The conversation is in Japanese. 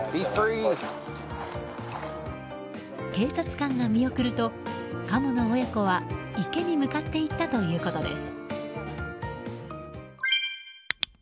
警察官が見送るとカモの親子は池に向かっていったということです。